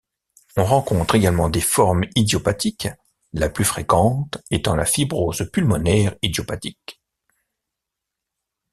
On rencontre également des formes idiopathiques, la plus fréquente étant la fibrose pulmonaire idiopathique.